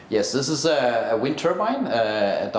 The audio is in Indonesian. ya ini adalah turbinan udara